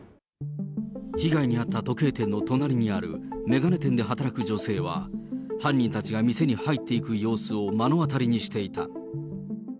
被害に遭った時計店の隣にある、眼鏡店で働く女性は、犯人たちが店に入っていく様子を目の当たりにしていた。